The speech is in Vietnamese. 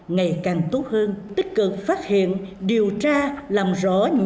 ngày càng tốt hơn tích cực phát hiện điều tra làm rõ những điều này